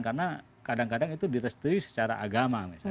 karena kadang kadang itu direstui secara agama